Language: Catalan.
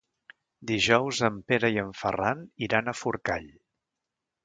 Dijous en Pere i en Ferran iran a Forcall.